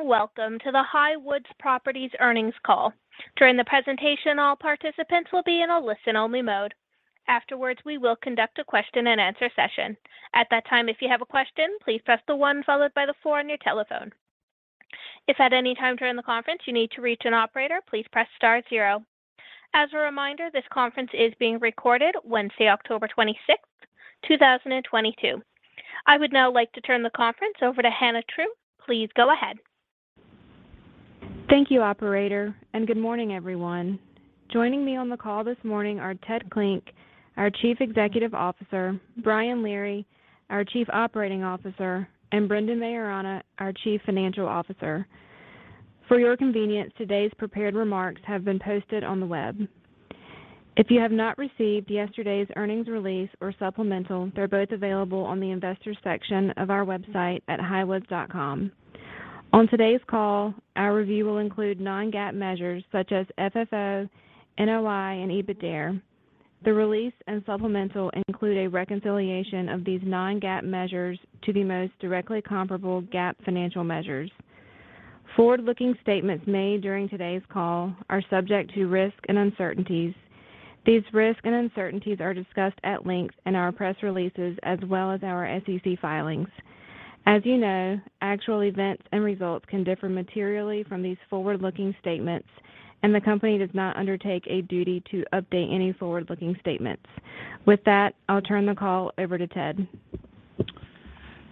Welcome to the Highwoods Properties earnings call. During the presentation, all participants will be in a listen-only mode. Afterward, we will conduct a question-and-answer session. At that time, if you have a question, please press 1 followed by 4 on your telephone. If at any time during the conference you need to reach an operator, please press star 0. As a reminder, this conference is being recorded Wednesday, October 26, 2022. I would now like to turn the conference over to Hannah True. Please go ahead. Thank you, operator, and good morning, everyone. Joining me on the call this morning are Ted Klinck, our Chief Executive Officer; Brian Leary, our Chief Operating Officer; and Brendan Maiorana, our Chief Financial Officer. For your convenience, today's prepared remarks have been posted on the web. If you have not received yesterday's earnings release or supplemental, they are both available on the Investors section of our website at highwoods.com. On today's call, our review will include non-GAAP measures such as FFO, NOI, and EBITDAre. The release and supplemental include a reconciliation of these non-GAAP measures to the most directly comparable GAAP financial measures. Forward-looking statements made during today's call are subject to risks and uncertainties. These risks and uncertainties are discussed at length in our press releases as well as our SEC filings. As you know, actual events and results can differ materially from these forward-looking statements, and the company does not undertake a duty to update any forward-looking statements. With that, I'll turn the call over to Ted.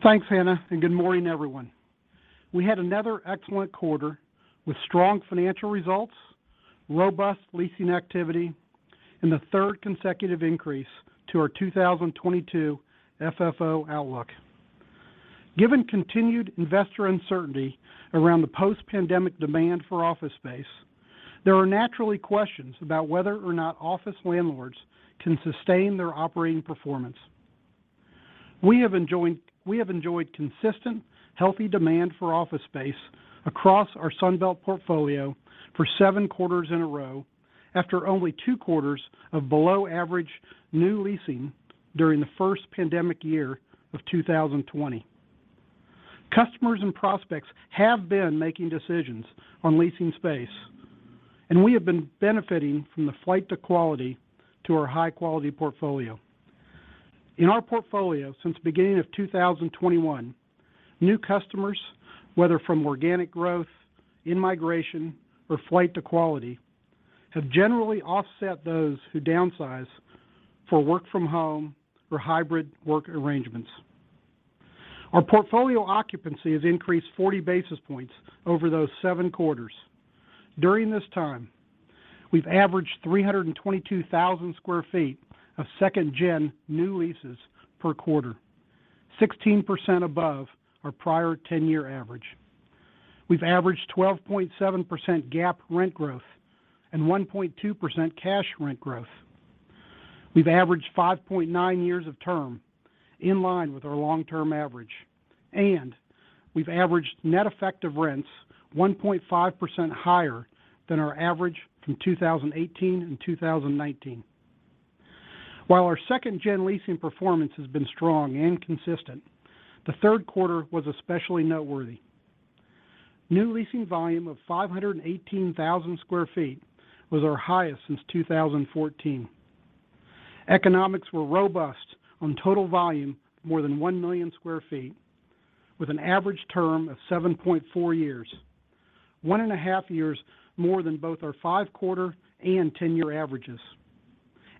Thanks, Hannah, and good morning, everyone. We had another excellent quarter with strong financial results, robust leasing activity, and the third consecutive increase to our 2022 FFO outlook. Given continued investor uncertainty around the post-pandemic demand for office space, there are naturally questions about whether or not office landlords can sustain their operating performance. We have enjoyed consistent, healthy demand for office space across our Sunbelt portfolio for seven quarters in a row after only two quarters of below-average new leasing during the first pandemic year of 2020. Customers and prospects have been making decisions on leasing space, and we have been benefiting from the flight to quality to our high-quality portfolio. In our portfolio, since the beginning of 2021, new customers, whether from organic growth, in-migration, or flight to quality, have generally offset those who downsize for work-from-home or hybrid work arrangements. Our portfolio occupancy has increased 40 basis points over those seven quarters. During this time, we've averaged 322,000 sq ft of second-gen new leases per quarter, 16% above our prior 10-year average. We've averaged 12.7% GAAP rent growth and 1.2% cash rent growth. We've averaged 5.9 years of term, in line with our long-term average, and we've averaged net effective rents 1.5% higher than our average from 2018 and 2019. While our second-gen leasing performance has been strong and consistent, the third quarter was especially noteworthy. New leasing volume of 518,000 sq ft was our highest since 2014. Economics were robust on total volume, more than 1 million sq ft, with an average term of 7.4 years, 1.5 years more than both our 5-quarter and 10-year averages,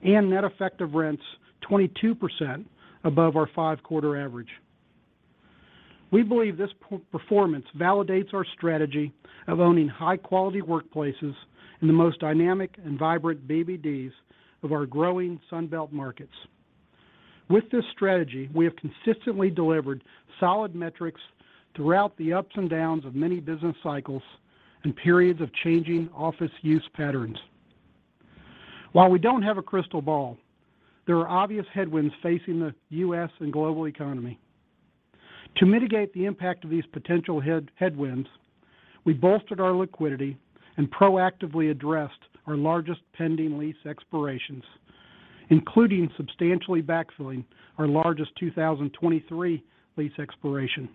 and net effective rents 22% above our 5-quarter average. We believe this performance validates our strategy of owning high-quality workplaces in the most dynamic and vibrant CBDs of our growing Sunbelt markets. With this strategy, we have consistently delivered solid metrics throughout the ups and downs of many business cycles and periods of changing office use patterns. While we don't have a crystal ball, there are obvious headwinds facing the U.S. and global economy. To mitigate the impact of these potential headwinds, we bolstered our liquidity and proactively addressed our largest pending lease expirations, including substantially backfilling our largest 2023 lease expiration.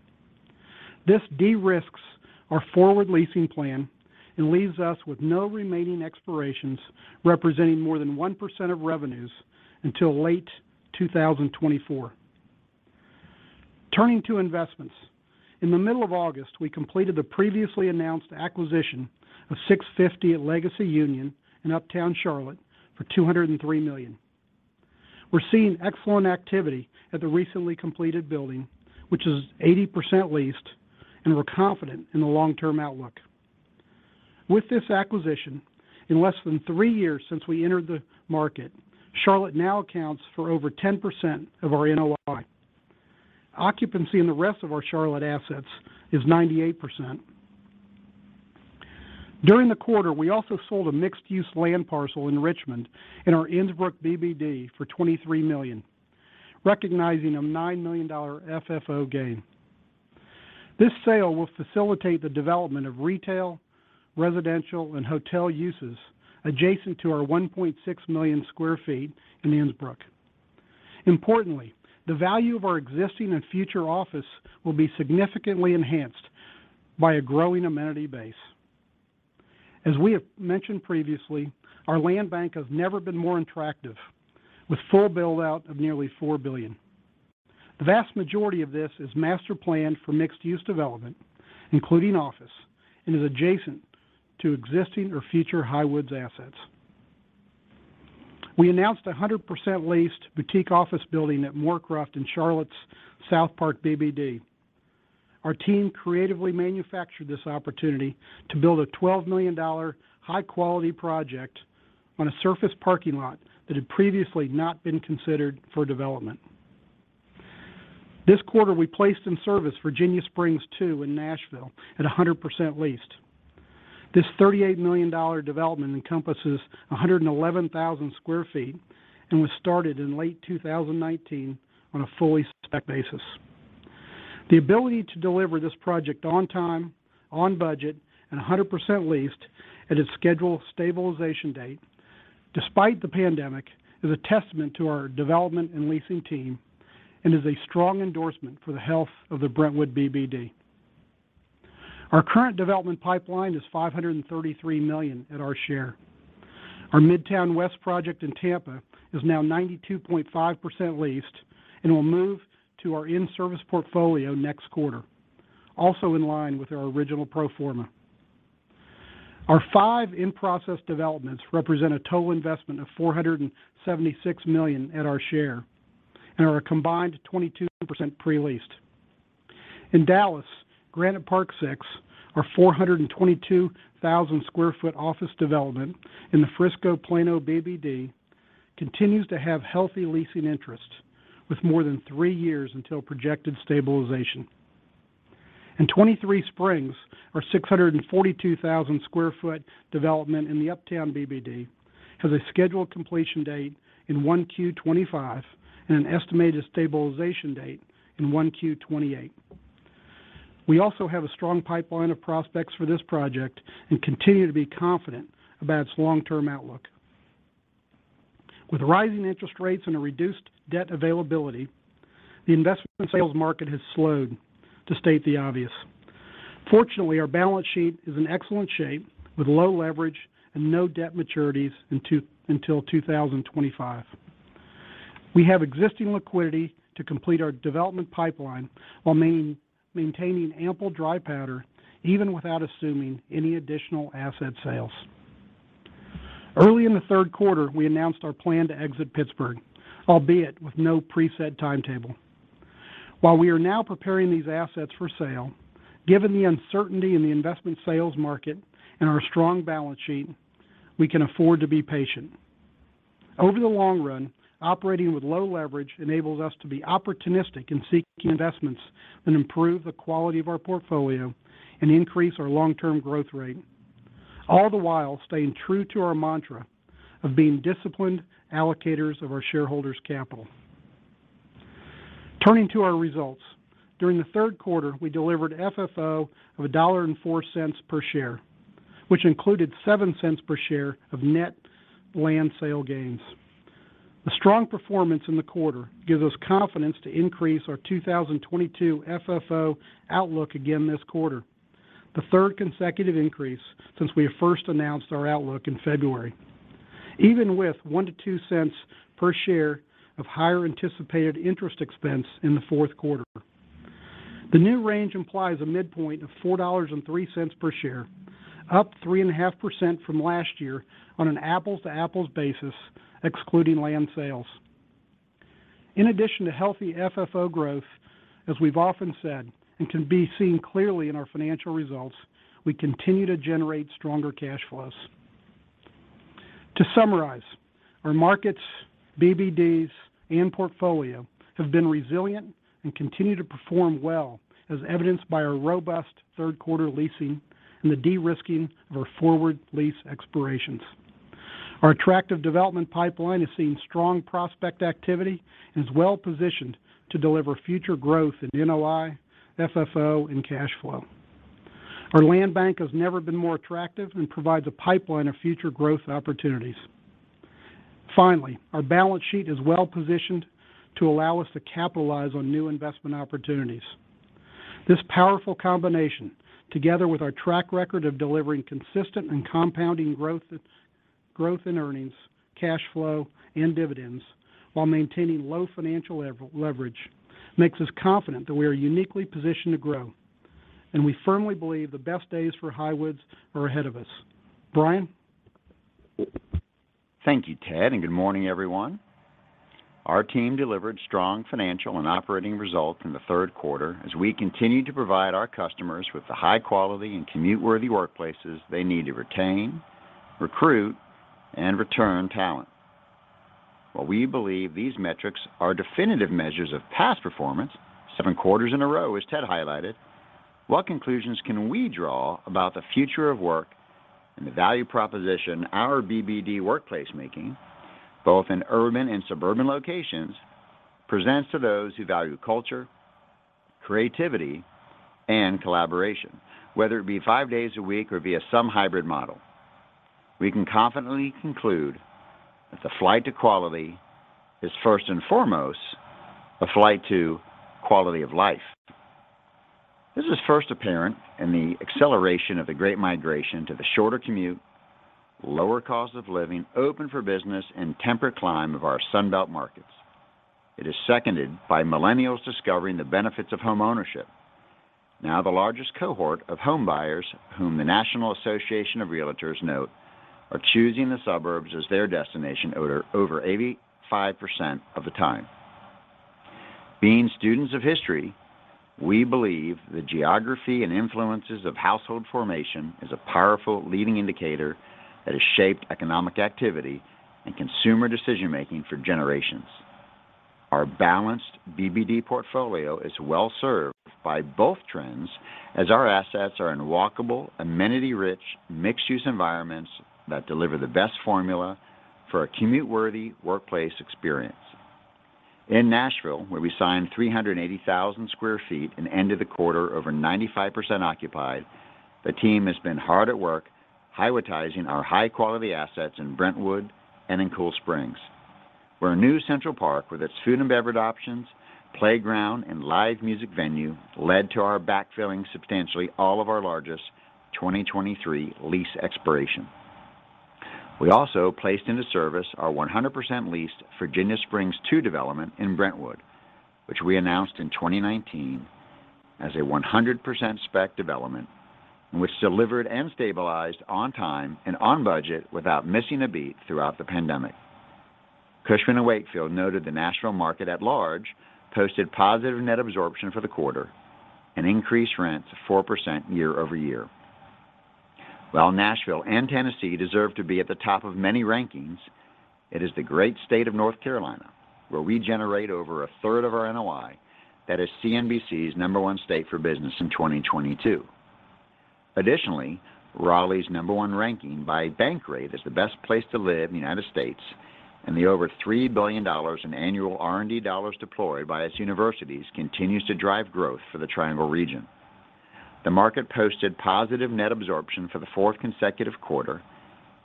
This de-risks our forward leasing plan and leaves us with no remaining expirations representing more than 1% of revenues until late 2024. Turning to investments, in the middle of August, we completed the previously announced acquisition of 650 at Legacy Union in Uptown Charlotte for $203 million. We're seeing excellent activity at the recently completed building, which is 80% leased, and we're confident in the long-term outlook. With this acquisition, in less than three years since we entered the market, Charlotte now accounts for over 10% of our NOI. Occupancy in the rest of our Charlotte assets is 98%. During the quarter, we also sold a mixed-use land parcel in Richmond in our Innsbrook BBD for $23 million, recognizing a $9 million FFO gain. This sale will facilitate the development of retail, residential, and hotel uses adjacent to our 1.6 million sq ft in Innsbrook. Importantly, the value of our existing and future office will be significantly enhanced by a growing amenity base. As we have mentioned previously, our land bank has never been more attractive, with a full build-out of nearly $4 billion. The vast majority of this is master-planned for mixed-use development, including office, and is adjacent to existing or future Highwoods assets. We announced a 100% leased boutique office building at Morrocroft in Charlotte's SouthPark BBD. Our team creatively manufactured this opportunity to build a $12 million high-quality project on a surface parking lot that had previously not been considered for development. This quarter, we placed Virginia Springs II in Nashville in service, 100% leased. This $38 million development encompasses 111,000 sq ft and was started in late 2019 on a fully spec basis. The ability to deliver this project on time, on budget, and 100% leased at its scheduled stabilization date despite the pandemic is a testament to our development and leasing team and is a strong endorsement for the health of the Brentwood BBD. Our current development pipeline is $533 million at our share. Our Midtown West project in Tampa is now 92.5% leased and will move to our in-service portfolio next quarter, also in line with our original pro forma. Our five in-process developments represent a total investment of $476 million at our share and are a combined 22% pre-leased. In Dallas, Granite Park Six, our 422,000 sq ft office development in the Frisco/Plano BBD, continues to have healthy leasing interest with more than three years until projected stabilization. In 23Springs, our 642,000 sq ft development in the Uptown BBD has a scheduled completion date in 1Q2025 and an estimated stabilization date in 1Q2028. We also have a strong pipeline of prospects for this project and continue to be confident about its long-term outlook. With rising interest rates and reduced debt availability, the investment sales market has slowed, to state the obvious. Fortunately, our balance sheet is in excellent shape with low leverage and no debt maturities until 2025. We have existing liquidity to complete our development pipeline while maintaining ample dry powder even without assuming any additional asset sales. Early in the third quarter, we announced our plan to exit Pittsburgh, albeit with no preset timetable. While we are now preparing these assets for sale, given the uncertainty in the investment sales market and our strong balance sheet, we can afford to be patient. Over the long run, operating with low leverage enables us to be opportunistic in seeking investments that improve the quality of our portfolio and increase our long-term growth rate, all the while staying true to our mantra of being disciplined allocators of our shareholders' capital. Turning to our results, during the third quarter, we delivered FFO of $1.04 per share, which included $0.07 per share of net land sale gains. The strong performance in the quarter gives us confidence to increase our 2022 FFO outlook again this quarter, the third consecutive increase since we first announced our outlook in February, even with $0.01-$0.02 per share of higher anticipated interest expense in the fourth quarter. The new range implies a midpoint of $4.03 per share, up 3.5% from last year on an apples-to-apples basis, excluding land sales. In addition to healthy FFO growth, as we've often said and can be seen clearly in our financial results, we continue to generate stronger cash flows. To summarize, our markets, BBDs, and portfolio have been resilient and continue to perform well, as evidenced by our robust third-quarter leasing and the de-risking of our forward lease expirations. Our attractive development pipeline has seen strong prospect activity and is well-positioned to deliver future growth in NOI, FFO, and cash flow. Our land bank has never been more attractive and provides a pipeline of future growth opportunities. Finally, our balance sheet is well-positioned to allow us to capitalize on new investment opportunities. This powerful combination, together with our track record of delivering consistent and compounding growth in earnings, cash flow, and dividends while maintaining low financial leverage, makes us confident that we are uniquely positioned to grow, and we firmly believe the best days for Highwoods are ahead of us. Brian? Thank you, Ted, and good morning, everyone. Our team delivered strong financial and operating results in the third quarter as we continue to provide our customers with the high-quality and commute-worthy workplaces they need to retain, recruit, and return talent. While we believe these metrics are definitive measures of past performance—seven quarters in a row, as Ted highlighted—what conclusions can we draw about the future of work and the value proposition our BBD workplaces make, both in urban and suburban locations, presenting to those who value culture, creativity, and collaboration, whether it be five days a week or via some hybrid model? We can confidently conclude that the flight to quality is first and foremost a flight to quality of life. This is first apparent in the acceleration of the great migration to the shorter commute, lower cost of living, open for business, and temperate climate of our Sun Belt markets. It is seconded by millennials discovering the benefits of homeownership. Now the largest cohort of home buyers, whom the National Association of Realtors notes are choosing the suburbs as their destination over 85% of the time. Being students of history, we believe the geography and influences of household formation are a powerful leading indicator that has shaped economic activity and consumer decision-making for generations. Our balanced BBD portfolio is well-served by both trends as our assets are in walkable, amenity-rich, mixed-use environments that deliver the best formula for a commute-worthy workplace experience. In Nashville, where we signed 380,000 sq ft and ended the quarter over 95% occupied, the team has been hard at work Highwood-tizing our high-quality assets in Brentwood and in Cool Springs, where a new central park with its food and beverage options, playground, and live music venue led to our backfilling substantially all of our largest 2023 lease expiration. We also placed into service our 100% leased Virginia Springs Two development in Brentwood, which we announced in 2019 as a 100% spec development and which delivered and stabilized on time and on budget without missing a beat throughout the pandemic. Cushman & Wakefield noted the national market at large posted positive net absorption for the quarter and increased rents 4% year-over-year. While Nashville and Tennessee deserve to be at the top of many rankings, it is the great state of North Carolina, where we generate over a third of our NOI, that is CNBC's number one state for business in 2022. Additionally, Raleigh's number one ranking by Bankrate as the best place to live in the United States and the over $3 billion in annual R&D dollars deployed by its universities continue to drive growth for the Triangle region. The market posted positive net absorption for the fourth consecutive quarter,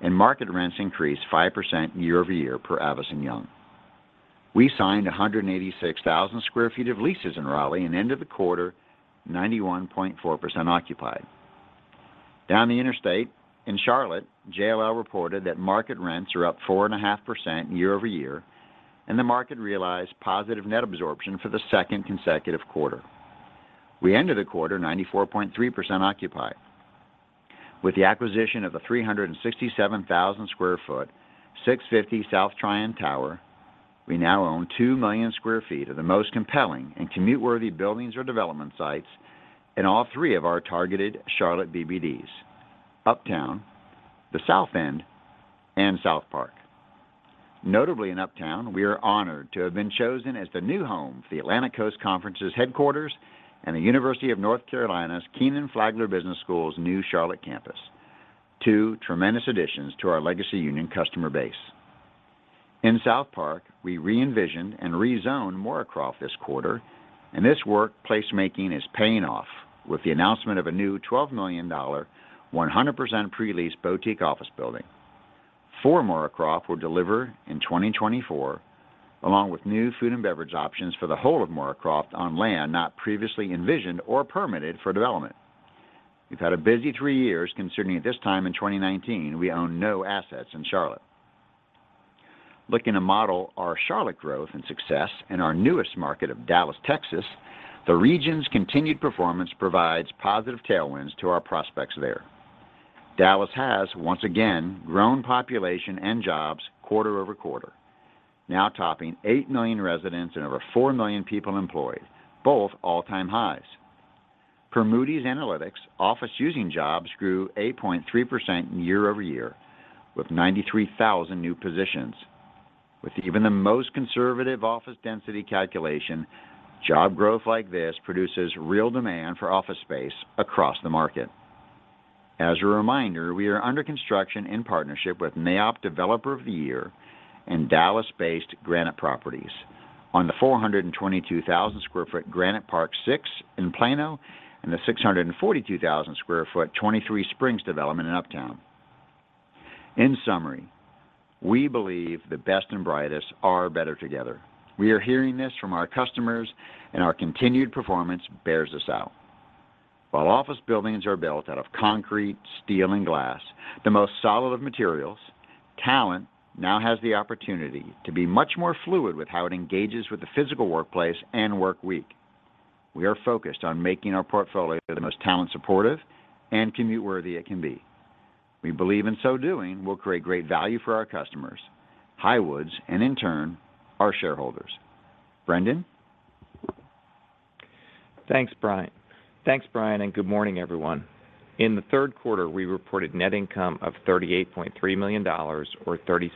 and market rents increased 5% year-over-year per Avison Young. We signed 186,000 sq ft of leases in Raleigh and ended the quarter 91.4% occupied. Down the interstate in Charlotte, JLL reported that market rents are up 4.5% year-over-year, and the market realized positive net absorption for the second consecutive quarter. We ended the quarter 94.3% occupied. With the acquisition of a 367,000 sq ft 650 at Legacy Union, we now own 2 million sq ft of the most compelling and commute-worthy buildings or development sites in all three of our targeted Charlotte BBDs: Uptown, the South End, and SouthPark. Notably in Uptown, we are honored to have been chosen as the new home for the Atlantic Coast Conference's headquarters and the University of North Carolina's Kenan-Flagler Business School's new Charlotte campus—two tremendous additions to our Legacy Union customer base. In SouthPark, we re-envisioned and rezoned Morrocroft this quarter, and this workplace creation is paying off with the announcement of a new $12 million, 100% pre-leased boutique office building. Four Morrocroft will be delivered in 2024, along with new food and beverage options for the whole of Morrocroft, on land not previously envisioned or permitted for development. We've had a busy 3 years, considering that at this time in 2019, we owned no assets in Charlotte. Looking to model our Charlotte growth and success in our newest market of Dallas, Texas, the region's continued performance provides positive tailwinds for our prospects there. Dallas has once again seen population and job growth quarter-over-quarter, now topping 8 million residents and over 4 million people employed, both all-time highs. Per Moody's Analytics, office-using jobs grew 8.3% year-over-year with 93,000 new positions. With even the most conservative office density calculation, job growth like this produces real demand for office space across the market. As a reminder, we are under construction in partnership with NAIOP Developer of the Year and Dallas-based Granite Properties on the 422,000 sq ft Granite Park Six in Plano and the 642,000 sq ft 23Springs development in Uptown. In summary, we believe the best and brightest are better together. We are hearing this from our customers, and our continued performance bears this out. While office buildings are built out of concrete, steel, and glass—the most solid of materials—talent now has the opportunity to be much more fluid with how it engages with the physical workplace and work week. We are focused on making our portfolio the most talent-supportive and commute-worthy it can be. We believe doing so will create great value for our customers, Highwoods, and in turn, our shareholders. Brendan? Thanks, Brian, and good morning, everyone. In the third quarter, we reported net income of $38.3 million or $0.36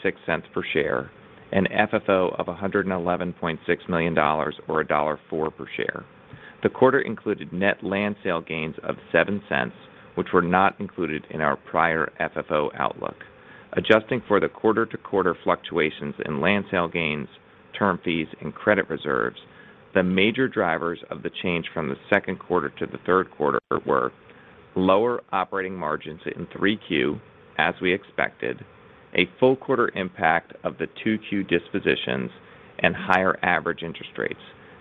per share and FFO of $111.6 million or $1.04 per share. The quarter included net land sale gains of $0.07, which were not included in our prior FFO outlook. Adjusting for the quarter-to-quarter fluctuations in land sale gains, term fees, and credit reserves, the major drivers of the change from the second quarter to the third quarter were lower operating margins in Q3, as we expected, a full quarter impact of the Q2 dispositions, and higher average interest rates.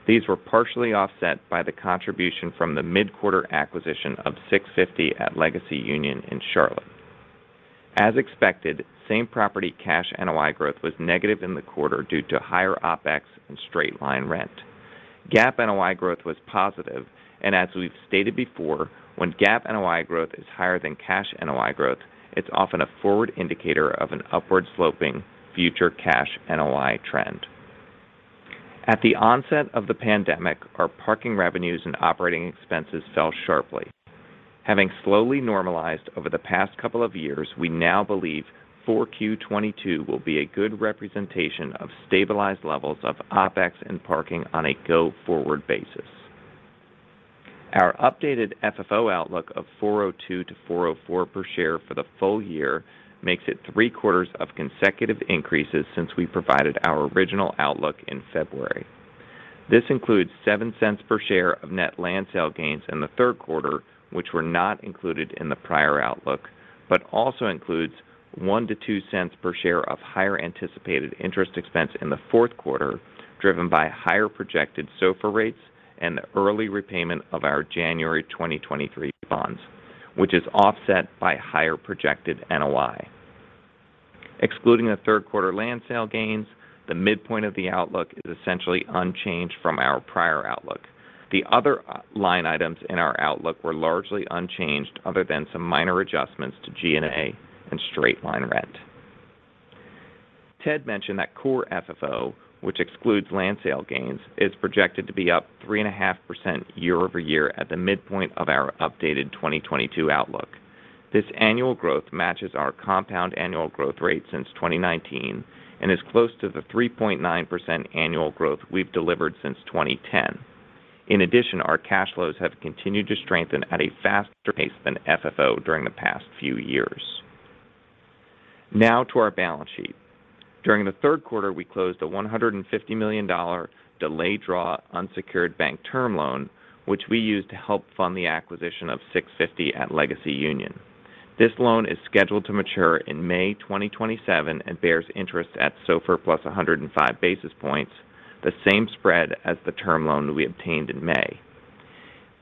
These were partially offset by the contribution from the mid-quarter acquisition of 650 at Legacy Union in Charlotte. As expected, same-property cash NOI growth was negative in the quarter due to higher OpEx and straight-line rent. GAAP NOI growth was positive, and as we've stated before, when GAAP NOI growth is higher than cash NOI growth, it's often a forward indicator of an upward-sloping future cash NOI trend. At the onset of the pandemic, our parking revenues and operating expenses fell sharply. Having slowly normalized over the past couple of years, we now believe Q4 2022 will be a good representation of stabilized levels of OpEx and parking on a go-forward basis. Our updated FFO outlook of $4.02-$4.04 per share for the full year makes it three quarters of consecutive increases since we provided our original outlook in February. This includes $0.07 per share of net land sale gains in the third quarter, which were not included in the prior outlook, but also includes $0.01-$0.02 per share of higher anticipated interest expense in the fourth quarter, driven by higher projected SOFR rates and the early repayment of our January 2023 bonds, which is offset by higher projected NOI. Excluding the third quarter land sale gains, the midpoint of the outlook is essentially unchanged from our prior outlook. The other line items in our outlook were largely unchanged, other than some minor adjustments to G&A and straight-line rent. Ted mentioned that core FFO, which excludes land sale gains, is projected to be up 3.5% year-over-year at the midpoint of our updated 2022 outlook. This annual growth matches our compound annual growth rate since 2019 and is close to the 3.9% annual growth we've delivered since 2010. In addition, our cash flows have continued to strengthen at a faster pace than FFO during the past few years. Now, to our balance sheet. During the third quarter, we closed a $150 million delayed-draw unsecured bank term loan, which we used to help fund the acquisition of 650 at Legacy Union. This loan is scheduled to mature in May 2027 and bears interest at SOFR plus 105 basis points, the same spread as the term loan we obtained in May.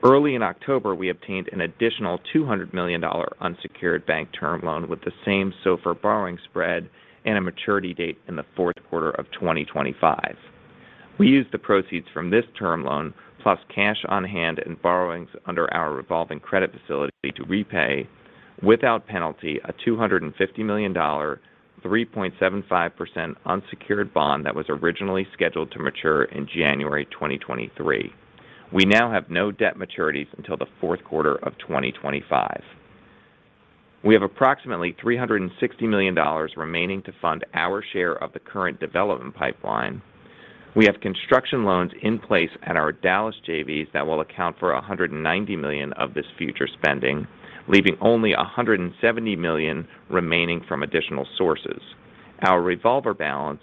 Early in October, we obtained an additional $200 million unsecured bank term loan with the same SOFR borrowing spread and a maturity date in the fourth quarter of 2025. We used the proceeds from this term loan, plus cash on hand and borrowings under our revolving credit facility, to repay, without penalty, a $250 million, 3.75% unsecured bond that was originally scheduled to mature in January 2023. We now have no debt maturities until the fourth quarter of 2025. We have approximately $360 million remaining to fund our share of the current development pipeline. We have construction loans in place at our Dallas JVs that will account for $190 million of this future spending, leaving only $170 million remaining from additional sources. Our revolver balance,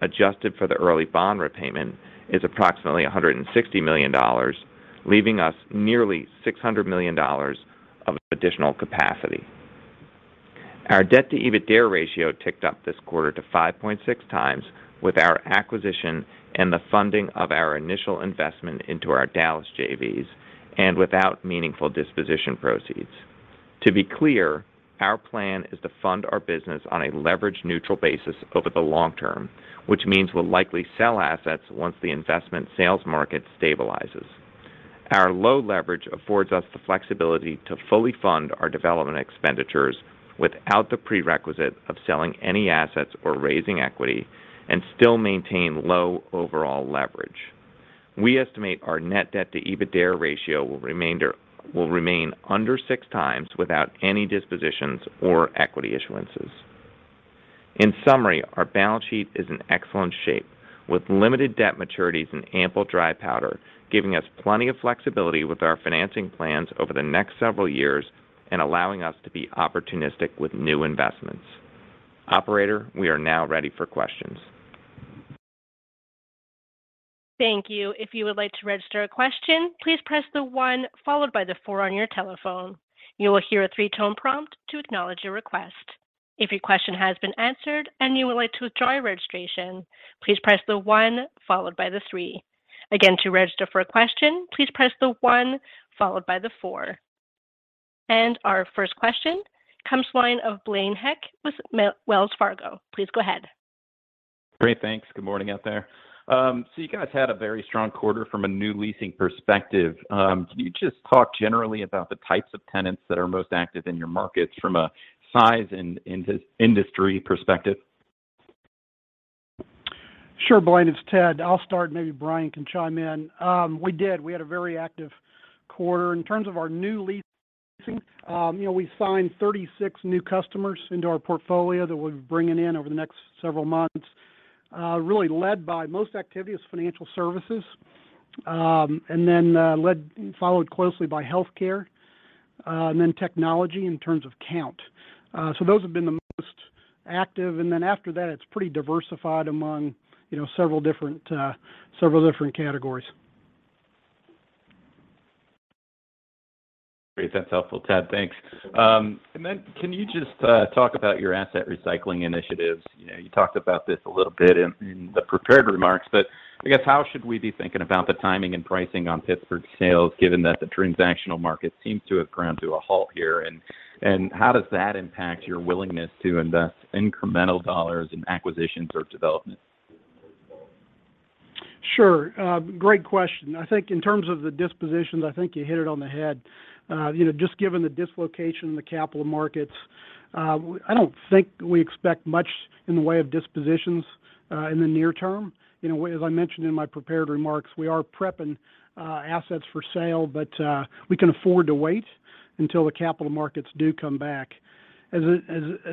adjusted for the early bond repayment, is approximately $160 million, leaving us nearly $600 million of additional capacity. Our debt-to-EBITDA ratio ticked up this quarter to 5.6 times with our acquisition and the funding of our initial investment into our Dallas JVs and without meaningful disposition proceeds. To be clear, our plan is to fund our business on a leverage-neutral basis over the long term, which means we'll likely sell assets once the investment sales market stabilizes. Our low leverage affords us the flexibility to fully fund our development expenditures without the prerequisite of selling any assets or raising equity and still maintain low overall leverage. We estimate our net debt-to-EBITDA ratio will remain under 6 times without any dispositions or equity issuances. In summary, our balance sheet is in excellent shape with limited debt maturities and ample dry powder, giving us plenty of flexibility with our financing plans over the next several years and allowing us to be opportunistic with new investments. Operator, we are now ready for questions. Thank you. If you would like to register a question, please press the one followed by the four on your telephone. You will hear a three-tone prompt to acknowledge your request. If your question has been answered and you would like to withdraw your registration, please press the one followed by the three. Again, to register a question, please press the one followed by the four. Our first question comes from the line of Blaine Heck with Wells Fargo. Please go ahead. Great. Thanks. Good morning out there. You guys had a very strong quarter from a new leasing perspective. Can you just talk generally about the types of tenants that are most active in your markets from a size and industry perspective? Sure, Blaine, it's Ted. I'll start; maybe Brian can chime in. We had a very active quarter. In terms of our new leasing, you know, we signed 36 new customers into our portfolio that we'll be bringing in over the next several months. This was really led by financial services, which saw the most activity, followed closely by healthcare and then technology in terms of count. Those have been the most active. After that, it's pretty diversified among several different categories. Great. That's helpful, Ted. Thanks. Can you just talk about your asset recycling initiatives? You know, you talked about this a little bit in the prepared remarks, but I guess, how should we be thinking about the timing and pricing on Pittsburgh sales, given that the transactional market seems to have ground to a halt here? How does that impact your willingness to invest incremental dollars in acquisitions or development? Sure. Great question. I think in terms of the dispositions, I think you hit it on the head. You know, just given the dislocation in the capital markets, I don't think we expect much in the way of dispositions in the near term. You know, as I mentioned in my prepared remarks, we are prepping assets for sale, but we can afford to wait until the capital markets do come back. As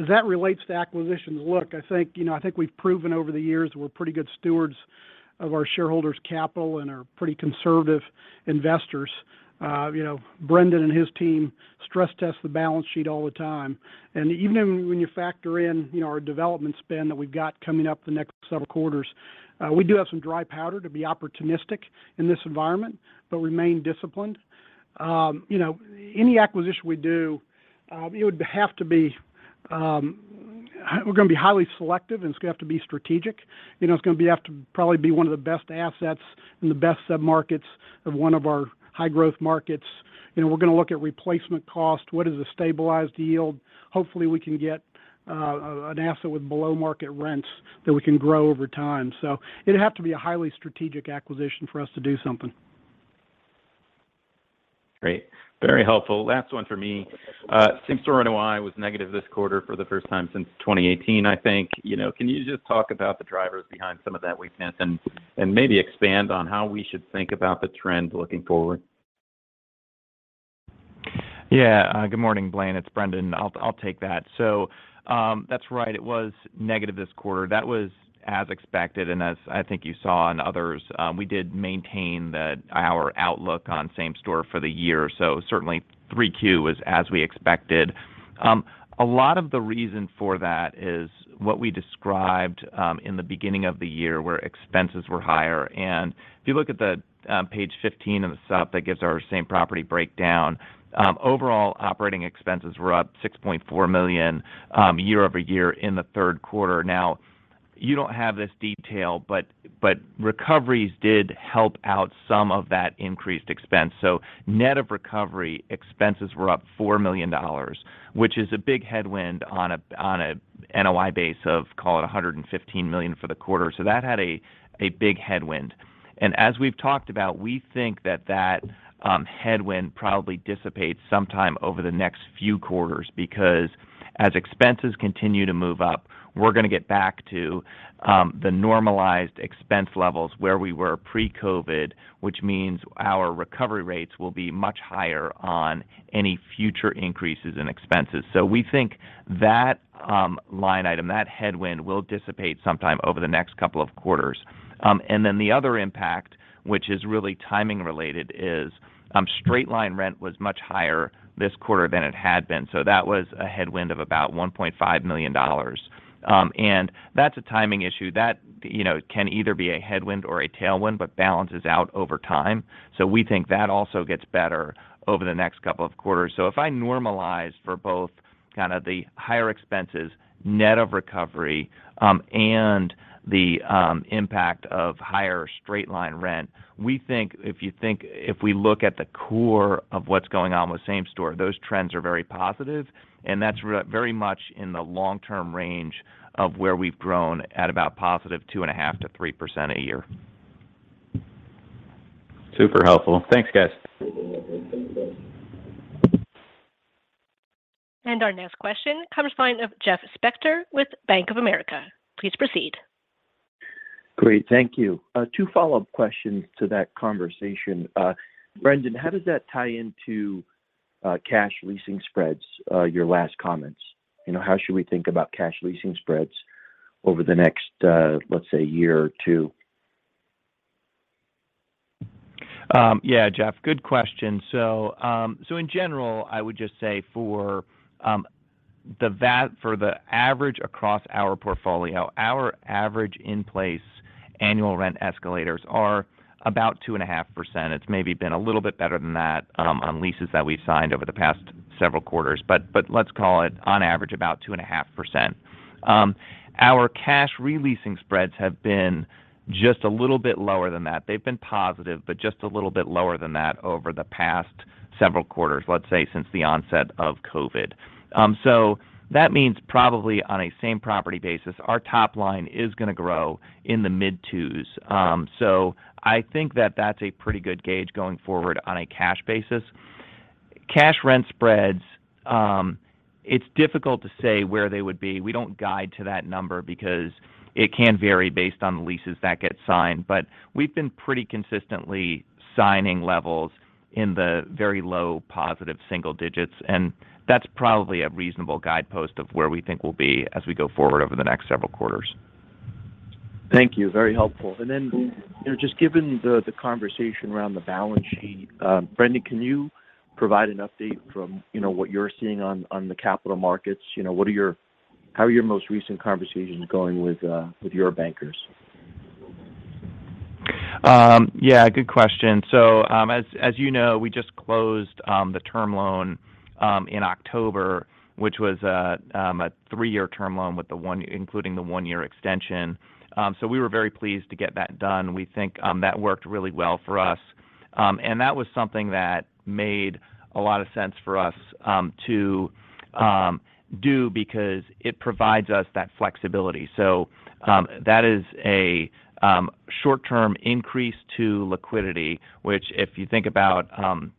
that relates to acquisitions, look, I think, you know, I think we've proven over the years we're pretty good stewards of our shareholders' capital and are pretty conservative investors. You know, Brendan and his team stress-test the balance sheet all the time. Even when you factor in our development spend that we have coming up in the next several quarters, we do have some dry powder to be opportunistic in this environment, but we remain disciplined. Any acquisition we make would have to be highly selective and strategic. It would probably have to be one of the best assets in the best sub-markets of one of our high-growth markets. We would look at replacement cost and the stabilized yield. Hopefully, we could acquire an asset with below-market rents that we can grow over time. It would have to be a highly strategic acquisition for us to make a move. Great. Very helpful. Last one for me. Same-store NOI was negative this quarter for the first time since 2018, I think. Can you just talk about the drivers behind some of that weakness and maybe expand on how we should think about the trend looking forward? Yeah. Good morning, Blaine. It's Brendan. I'll take that. That's right, it was negative this quarter. That was as expected, and as I think you saw in others, we did maintain our outlook on same store for the year. Certainly, Q3 was as we expected. A lot of the reason for that is what we described at the beginning of the year, where expenses were higher. If you look at page 15 of the supplemental, that gives our same property breakdown. Overall operating expenses were up $6.4 million year-over-year in the third quarter. You don't have this detail, but recoveries did help offset some of that increased expense. Net of recovery, expenses were up $4 million, which is a big headwind on a NOI base of, call it, $115 million for the quarter. That was a big headwind. As we've talked about, we think that headwind probably dissipates sometime over the next few quarters, because as expenses continue to move up, we're going to get back to the normalized expense levels where we were pre-COVID, which means our recovery rates will be much higher on any future increases in expenses. We think that line item, that headwind, will dissipate sometime over the next couple of quarters. Then the other impact, which is really timing related, is straight-line rent was much higher this quarter than it had been, so that was a headwind of about $1.5 million. That's a timing issue. That, you know, can either be a headwind or a tailwind, but balances out over time. We think that also gets better over the next couple of quarters. If I normalize for both kinds of higher expenses, net of recovery, and the impact of higher straight-line rent, we think if we look at the core of what's going on with the same store, those trends are very positive, and that's very much in the long-term range of where we've grown at about positive 2.5%-3% a year. Super helpful. Thanks, guys. Our next question comes from Jeff Spector with Bank of America. Please proceed. Great. Thank you. Two follow-up questions to that conversation. Brendan, how does that tie into cash leasing spreads, your last comments? You know, how should we think about cash leasing spreads over the next, let's say, year or two? Yeah, Jeff, good question. In general, I would just say for the average across our portfolio, our average in-place annual rent escalators are about 2.5%. It's maybe been a little bit better than that on leases that we've signed over the past several quarters, but let's call it on average about 2.5%. Our cash re-leasing spreads have been just a little bit lower than that. They've been positive, but just a little bit lower than that over the past several quarters, let's say, since the onset of COVID. That means probably on a same-property basis, our top line is going to grow in the mid-2s. I think that that's a pretty good gauge going forward on a cash basis. Cash rent spreads—it's difficult to say where they would be. We don't guide to that number because it can vary based on the leases that get signed. We've been pretty consistently signing levels in the very low positive single digits, and that's probably a reasonable guidepost of where we think we'll be as we go forward over the next several quarters. Thank you. Very helpful. Then, you know, just given the conversation around the balance sheet, Brendan, can you provide an update on what you're seeing in the capital markets? How are your most recent conversations going with your bankers? Yeah, good question. As you know, we just closed the term loan in October, which was a three-year term loan including the one-year extension. We were very pleased to get that done. We think that worked really well for us. That was something that made a lot of sense for us to do because it provides us that flexibility. That is a short-term increase to liquidity, which if you think about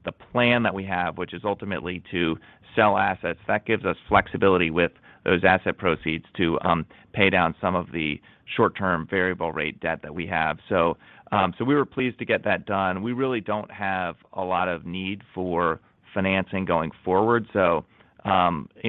the plan that we have, which is ultimately to sell assets, that gives us flexibility with those asset proceeds to pay down some of the short-term variable rate debt that we have. We were pleased to get that done. We really don't have a lot of need for financing going forward. You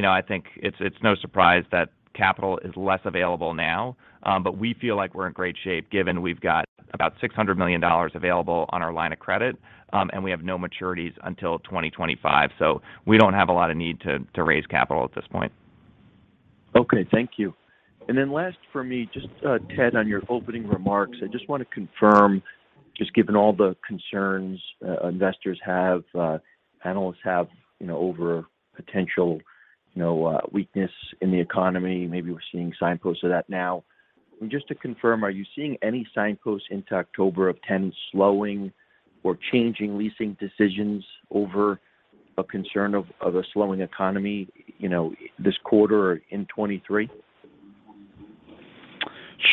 know, I think it's no surprise that capital is less available now, but we feel like we're in great shape given we've got about $600 million available on our line of credit, and we have no maturities until 2025. We don't have a lot of need to raise capital at this point. Okay. Thank you. Last for me, just, Ted, on your opening remarks, I just want to confirm, just given all the concerns investors have, analysts have, you know, over potential, you know, weakness in the economy, maybe we're seeing signposts of that now. Just to confirm, are you seeing any signposts into October of tenants slowing or changing leasing decisions over a concern of a slowing economy, you know, this quarter or in 2023?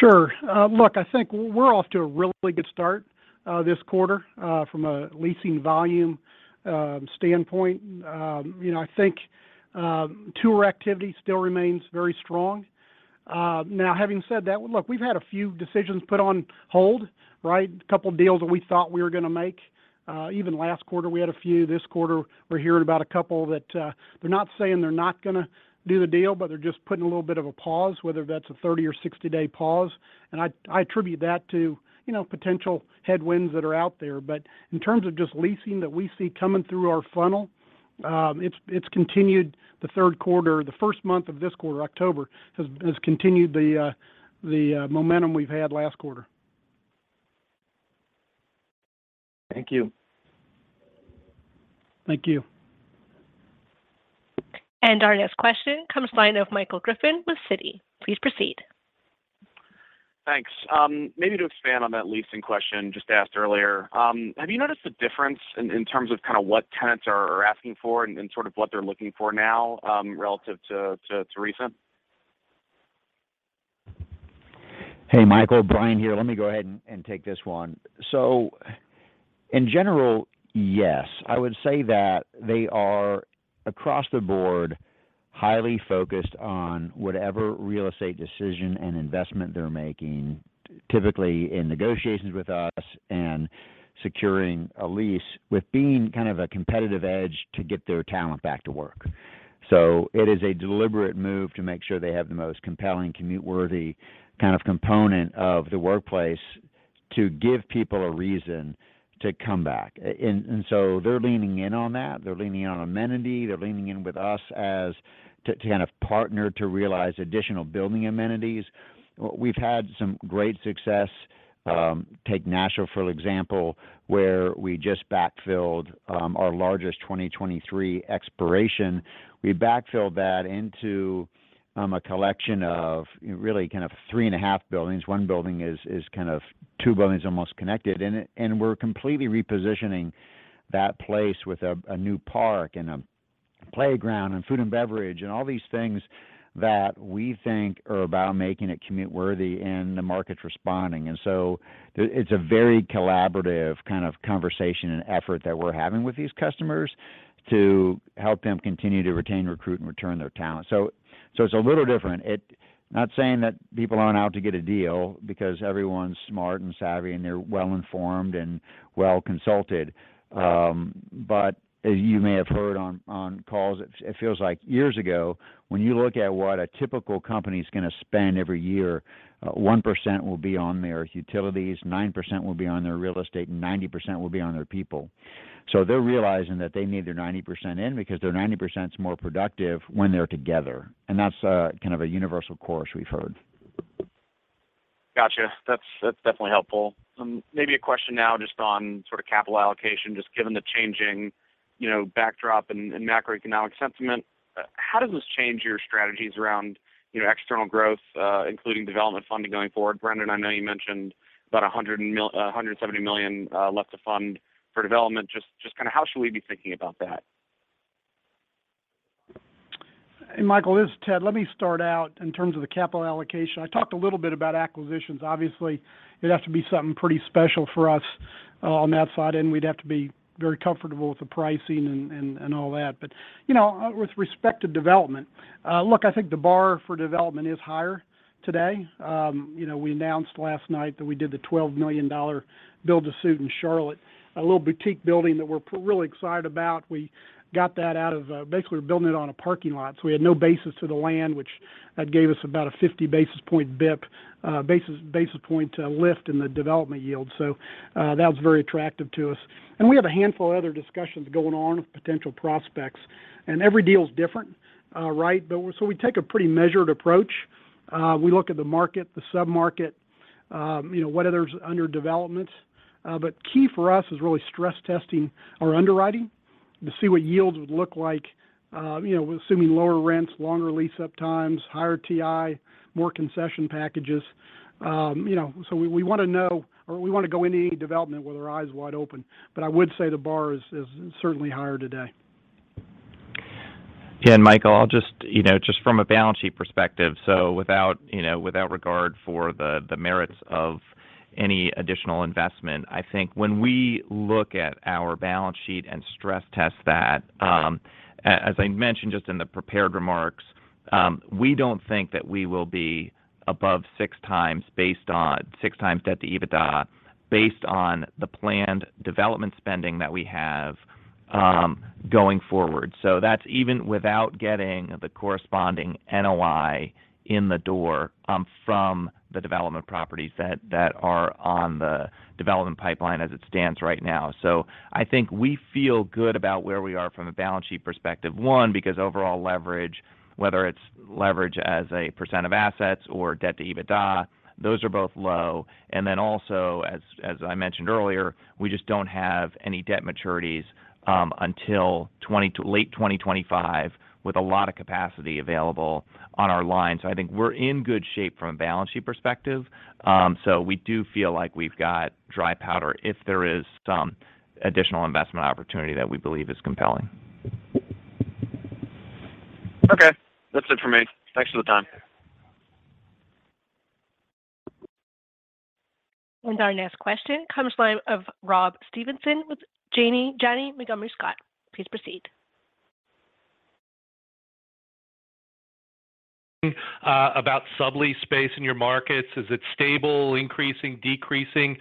Sure. Look, I think we're off to a really good start this quarter from a leasing volume standpoint. You know, I think tour activity still remains very strong. Now, having said that, look, we've had a few decisions put on hold, right? A couple of deals that we thought we were going to make. Even last quarter, we had a few. This quarter, we're hearing about a couple that, they're not saying they're not going to do the deal, but they're just putting a little bit of a pause, whether that's a 30- or 60-day pause. I attribute that to, you know, potential headwinds that are out there. In terms of just leasing that we see coming through our funnel, it's continued the third quarter. The first month of this quarter, October, has continued the momentum we had last quarter. Thank you. Thank you. Our next question comes from the line of Michael Griffin with Citi. Please proceed. Thanks. Maybe to expand on that leasing question asked earlier. Have you noticed a difference in terms of what tenants are asking for and what they're looking for now, relative to recently? Hey, Michael, Brian here. Let me go ahead and take this one. In general, yes, I would say that they are across the board, highly focused on whatever real estate decision and investment they're making, typically in negotiations with us and securing a lease, with being kind of a competitive edge to get their talent back to work. It is a deliberate move to make sure they have the most compelling, commute-worthy kind of component of the workplace to give people a reason to come back. They're leaning in on that. They're leaning on amenity. They're leaning in with us as a kind of partner to realize additional building amenities. We've had some great success. Take Nashville, for example, where we just backfilled our largest 2023 expiration. We backfilled that into a collection of really kind of three and a half buildings. One building is kind of two buildings, almost connected. We're completely repositioning that place with a new park and a playground and food and beverage and all these things that we think are about making it commute-worthy, and the market's responding. It's a very collaborative kind of conversation and effort that we're having with these customers to help them continue to retain, recruit, and return their talent. It's a little different, not saying that people aren't out to get a deal because everyone's smart and savvy, and they're well-informed and well-consulted. As you may have heard on calls, it feels like years ago, when you look at what a typical company is going to spend every year, 1% will be on their utilities, 9% will be on their real estate, and 90% will be on their people. They're realizing that they need their 90% in because their 90% is more productive when they're together. That's kind of a universal chorus we've heard. Gotcha. That's definitely helpful. Maybe a question now just on sort of capital allocation, just given the changing, you know, backdrop and macroeconomic sentiment. How does this change your strategies around, you know, external growth, including development funding going forward? Brendan, I know you mentioned about $170 million left to fund for development. Just kind of how should we be thinking about that? Hey, Michael, this is Ted. Let me start out in terms of capital allocation. I talked a little bit about acquisitions. Obviously, it has to be something pretty special for us on that side, and we'd have to be very comfortable with the pricing and all that. You know, with respect to development, look, I think the bar for development is higher today. You know, we announced last night that we did the $12 million build-to-suit in Charlotte, a little boutique building that we're really excited about. We got that out of, basically, we're building it on a parking lot, so we had no basis to the land, which gave us about a 50 basis point lift in the development yield. That was very attractive to us. We have a handful of other discussions going on with potential prospects, and every deal is different, right? We take a pretty measured approach. We look at the market, the sub-market, and what others are developing. Key for us is really stress testing our underwriting to see what yields would look like, assuming lower rents, longer lease-up times, higher TI, and more concession packages. We want to know, or we want to go into any development with our eyes wide open. I would say the bar is certainly higher today. Yeah, Michael, I'll just, you know, just from a balance sheet perspective, without, you know, without regard for the merits of any additional investment, I think when we look at our balance sheet and stress test that, as I mentioned just in the prepared remarks, we don't think that we will be above 6x based on 6x debt-to-EBITDA based on the planned development spending that we have going forward. That's even without getting the corresponding NOI in the door from the development properties that are on the development pipeline as it stands right now. I think we feel good about where we are from a balance sheet perspective, one, because overall leverage, whether it's leverage as a percent of assets or debt-to-EBITDA, those are both low. As I mentioned earlier, we just don't have any debt maturities until late 2025, with a lot of capacity available on our line. I think we're in good shape from a balance sheet perspective, so we do feel like we've got dry powder if there is some additional investment opportunity that we believe is compelling. Okay. That's it for me. Thanks for your time. Our next question comes from the line of Robert Stevenson with Janney Montgomery Scott. Please proceed. Regarding sublease space in your markets, is it stable, increasing, or decreasing?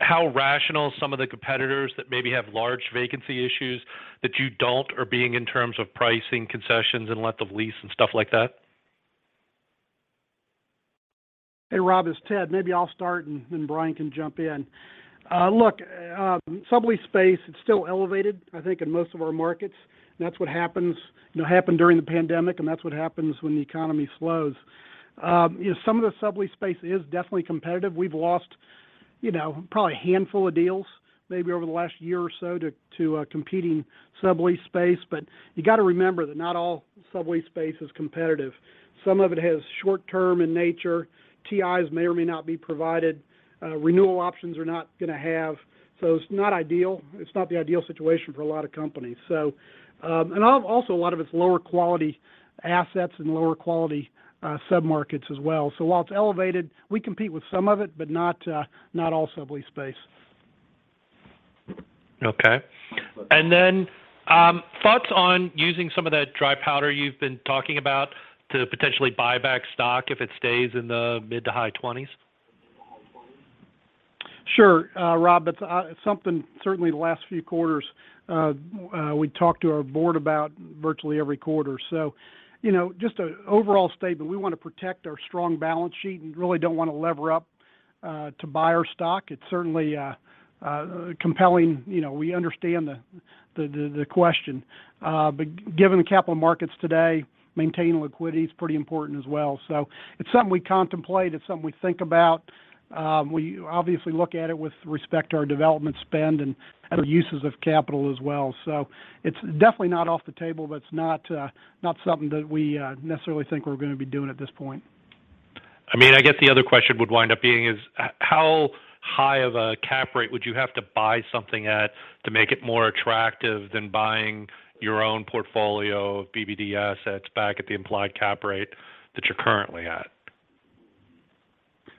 How rational are some of the competitors that may have large vacancy issues, which you don't, in terms of pricing concessions, lease length, and similar factors? Hey, Rob, it's Ted. Maybe I'll start, and then Brian can jump in. Look, sublease space, it's still elevated, I think, in most of our markets. That's what happens, you know, happened during the pandemic, and that's what happens when the economy slows. You know, some of the sublease space is definitely competitive. We've lost, you know, probably a handful of deals maybe over the last year or so to competing sublease space. You've got to remember that not all sublease space is competitive. Some of it is short-term in nature. TIs may or may not be provided. Renewal options are not going to be available, so it's not ideal. It's not the ideal situation for a lot of companies. Also, a lot of it is lower-quality assets and lower-quality submarkets as well. While it's elevated, we compete with some of it, but not all sublease space. Okay. Thoughts on using some of that dry powder you've been talking about to potentially buy back stock if it stays in the mid- to high 20s? Sure. Rob, that's something certainly the last few quarters we've talked to our board about virtually every quarter. You know, just an overall statement, we want to protect our strong balance sheet and really don't want to lever up to buy our stock. It's certainly compelling. You know, we understand the question. But given the capital markets today, maintaining liquidity is pretty important as well. It's something we contemplate, it's something we think about. We obviously look at it with respect to our development spend and uses of capital as well. It's definitely not off the table, but it's not something that we necessarily think we're going to be doing at this point. I mean, I guess the other question would wind up being how high of a cap rate would you have to buy something at to make it more attractive than buying your own portfolio of BBD assets back at the implied cap rate that you're currently at?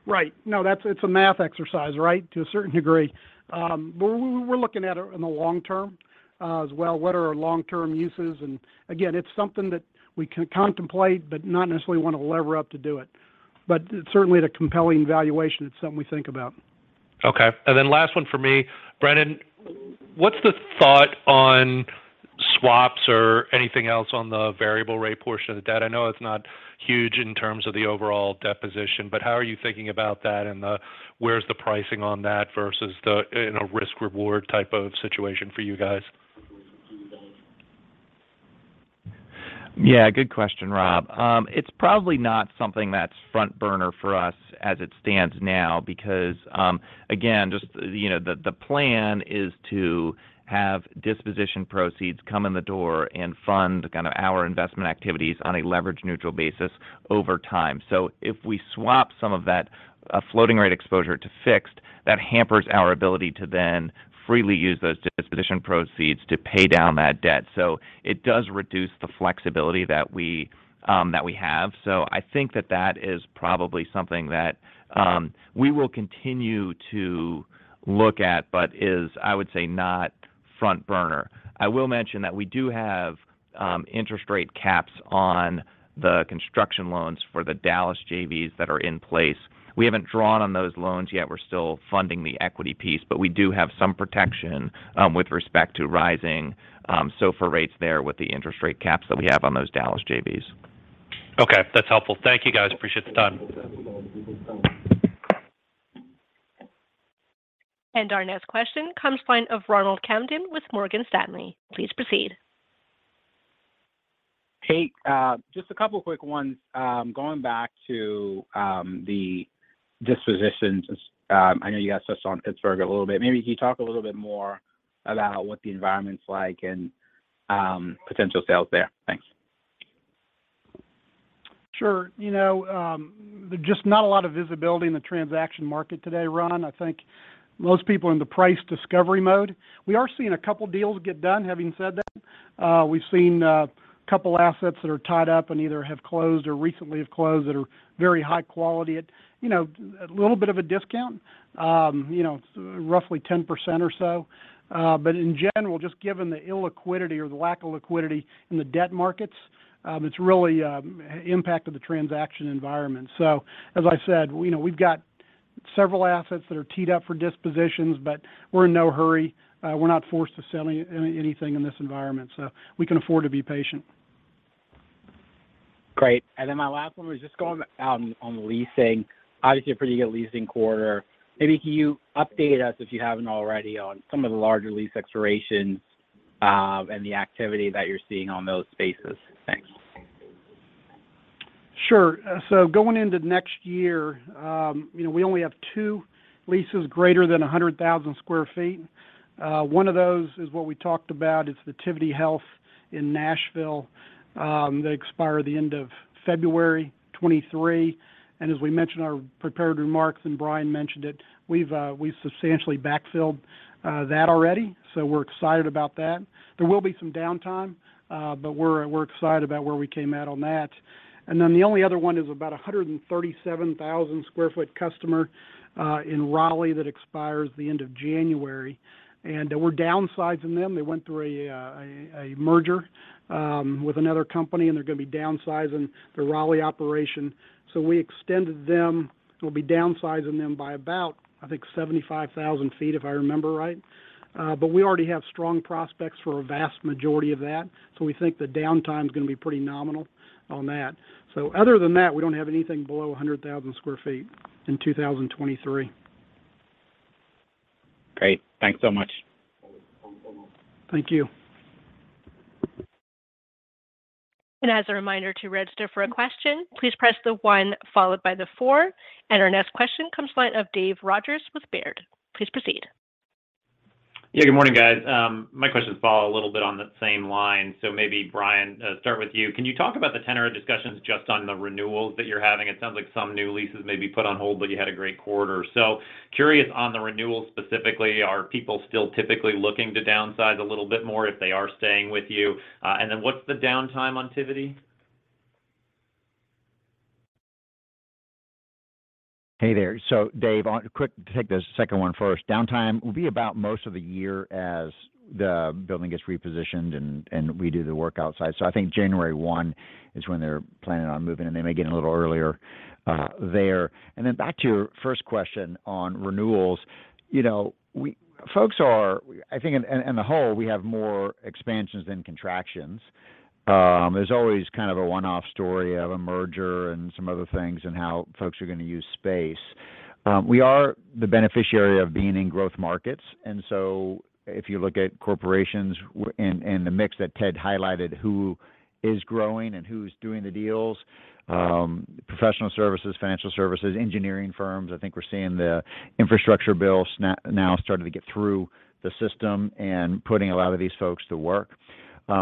Right. No, that's it. It's a math exercise, right? To a certain degree. We're looking at it in the long term as well, what our long-term uses are. Again, it's something that we can contemplate but not necessarily want to lever up to do. Certainly, at a compelling valuation, it's something we think about. Okay. Last one for me. Brendan, what are your thoughts on swaps or anything else regarding the variable rate portion of the debt? I know it's not huge in terms of the overall debt position, but how are you thinking about that, and what's the pricing on that versus the risk-reward type of situation for you guys? Yeah, good question, Rob. It's probably not something that's front-burner for us as it stands now because again, just, you know, the plan is to have disposition proceeds come in the door and fund kind of our investment activities on a leverage-neutral basis over time. If we swap some of that floating-rate exposure to fixed, that hampers our ability to then freely use those disposition proceeds to pay down that debt. It does reduce the flexibility that we have. I think that is probably something that we will continue to look at, but is, I would say, not front-burner. I will mention that we do have interest rate caps on the construction loans for the Dallas JVs that are in place. We haven't drawn on those loans yet. We're still funding the equity piece, but we do have some protection with respect to rising SOFR rates there with the interest rate caps that we have on those Dallas JVs. Okay. That's helpful. Thank you, guys. I appreciate the time. Our next question comes from Ronald Kamdem with Morgan Stanley. Please proceed. Ted, just a couple of quick ones. Going back to the dispositions, I know you guys touched on Pittsburgh a little bit. Maybe can you talk a little bit more about what the environment's like and potential sales there? Thanks. Sure. You know, there's just not a lot of visibility in the transaction market today, Ron. I think most people are in price discovery mode. We are seeing a couple of deals get done, having said that. We've seen a couple of assets that are tied up and either have closed or recently closed that are very high quality at, you know, a little bit of a discount, roughly 10% or so. In general, just given the illiquidity or the lack of liquidity in the debt markets, it's really impacted the transaction environment. As I said, you know, we've got several assets that are teed up for dispositions, but we're in no hurry. We're not forced to sell anything in this environment, so we can afford to be patient. Great. My last one was just on the leasing. Obviously, a pretty good leasing quarter. Maybe can you update us, if you haven't already, on some of the larger lease expirations and the activity that you're seeing in those spaces? Thanks. Sure. So, going into next year, you know, we only have two leases greater than 100,000 sq ft. One of those is what we talked about: Tivity Health in Nashville that expires at the end of February 2023. As we mentioned in our prepared remarks, and Brian mentioned it, we've substantially backfilled that already, so we're excited about that. There will be some downtime, but we're excited about where we came out on that. The only other one is about a 137,000 sq ft customer in Raleigh that expires at the end of January. We're downsizing them. They went through a merger with another company, and they're going to be downsizing the Raleigh operation. We extended them. We'll be downsizing them by about, I think, 75,000 sq ft, if I remember correctly. But we already have strong prospects for a vast majority of that, so we think the downtime's going to be pretty nominal on that. Other than that, we don't have anything below 100,000 sq ft in 2023. Great. Thanks so much. Thank you. As a reminder to register for a question, please press one followed by four. Our next question comes from the line of David Rogers with Baird. Please proceed. Yeah. Good morning, guys. My questions follow a little bit on the same line. Maybe, Brian, start with you. Can you talk about the tenor of discussions just on the renewals that you're having? It sounds like some new leases may be put on hold, but you had a great quarter. Curious about the renewals specifically, are people still typically looking to downsize a little bit more if they are staying with you? And then what's the downtime on Tivity? Hey there. So Dave, quick, take the second one first. Downtime will be for most of the year as the building gets repositioned and we do the work outside. I think January 1st is when they're planning on moving, and they may get in a little earlier. Then back to your first question on renewals. You know, I think on the whole, we have more expansions than contractions. There's always kind of a one-off story of a merger and some other things and how folks are going to use space. We are the beneficiary of being in growth markets. If you look at corporations and the mix that Ted highlighted—who is growing and who's doing the deals—professional services, financial services, and engineering firms, I think we're seeing the infrastructure bill now starting to get through the system and putting a lot of these folks to work.